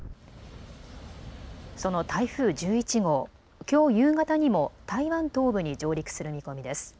その台風１１号、きょう夕方にも台湾東部に上陸する見込みです。